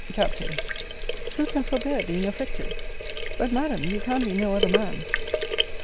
Capt. Who can forbear being affected? But, Madam, you can be no other man's.